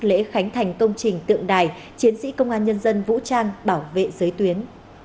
lễ khánh thành công trình tượng đài chiến sĩ công an nhân dân vũ trang bảo vệ giới tuyến